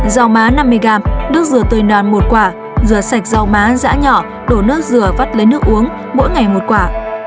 rau má năm mươi g nước dừa tươi non một quả dừa sạch rau má dã nhỏ đổ nước dừa vắt lấy nước uống mỗi ngày một quả